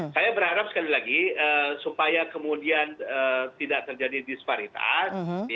saya berharap sekali lagi supaya kemudian tidak terjadi disparitas